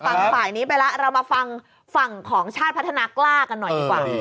ฝั่งฝ่ายนี้ไปแล้วเรามาฟังฝั่งของชาติพัฒนากล้ากันหน่อยดีกว่า